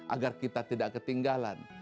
agar kita tidak ketinggalan